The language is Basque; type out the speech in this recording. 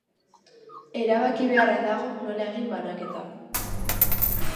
Erabaki beharra dago nola egin banaketa.